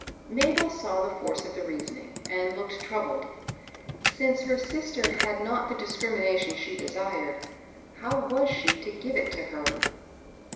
Mabel saw the force of the reasoning, and looked troubled. Since her sister had not the dis crimination she desired, how was she to give it to her?